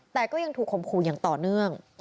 แต่ก็ยังถูกข่มขู่อย่างต่อเนื่อง